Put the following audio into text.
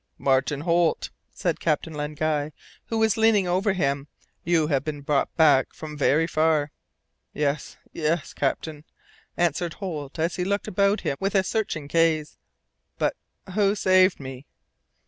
"Martin Holt," said Captain Len Guy, who was leaning over him, "you have been brought back from very far " "Yes, yes, captain," answered Holt, as he looked about him with a searching gaze, "but who saved me?"